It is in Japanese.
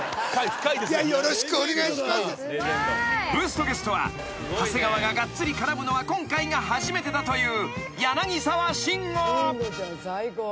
［ブーストゲストは長谷川ががっつり絡むのは今回が初めてだという柳沢慎吾］